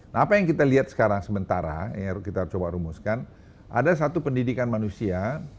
nah apa yang kita lihat sekarang sementara yang kita coba rumuskan ada satu pendidikan manusia